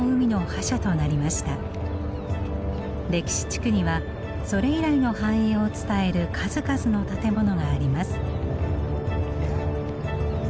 歴史地区にはそれ以来の繁栄を伝える数々の建物があります。